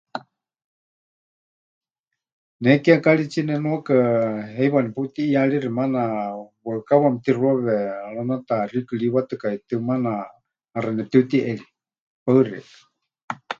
Ne kiekaritsie nenuaka heiwa neputiʼiyaarixi, maana waɨkawa mɨtixuawe, ranataxiikɨriwatɨkaitɨ maana, ʼaxa nepɨtiutiʼeri. Paɨ xeikɨ́a.